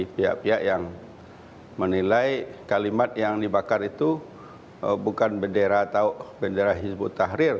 pihak pihak yang menilai kalimat yang dibakar itu bukan bendera atau bendera hizbut tahrir